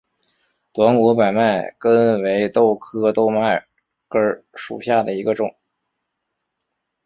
短果百脉根为豆科百脉根属下的一个种。